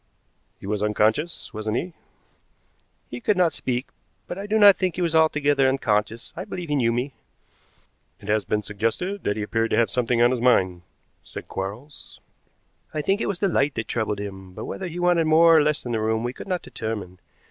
"He was unconscious, wasn't he?" "He could not speak, but I do not think he was altogether unconscious. I believe he knew me." "It has been suggested that he appeared to have something on his mind," said Quarles. "I think it was the light that troubled him, but whether he wanted more or less in the room we could not determine.